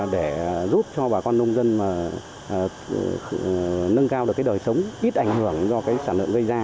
để giúp cho bà con nông dân nâng cao được đời sống ít ảnh hưởng do sản lượng gây ra